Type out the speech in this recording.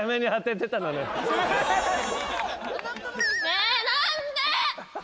ねえ何で！？